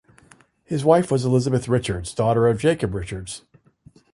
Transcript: His wife was Elizabeth Richards, daughter of Jacob Richards.